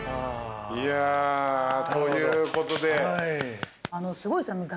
いやということで。